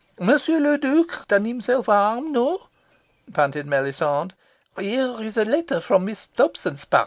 "Monsieur le Duc has done himself harm no?" panted Melisande. "Here is a letter from Miss Dobson's part.